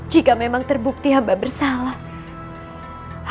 jika memang terbukti hamba bersalah